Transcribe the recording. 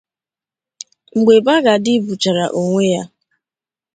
Mgbe Baghdadi gbuchare onwe ya